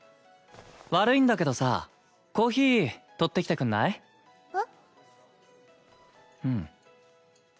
悪いんだけどさコーヒー取ってきてくんない？え？